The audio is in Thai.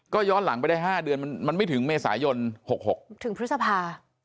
ก็ย้อนหลังไปได้๕เดือนมันไม่ถึงเมษายน๖๖ถึงพฤษภา